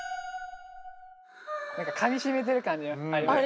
何かかみ締めてる感じありますね。